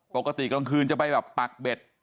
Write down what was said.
กลางคืนจะไปแบบปักเบ็ด